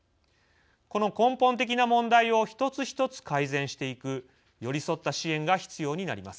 この根本的な問題を一つ一つ改善していく寄り添った支援が必要になります。